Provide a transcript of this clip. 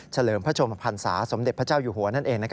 เฉลิมพระชมพันศาสมเด็จพระเจ้าอยู่หัว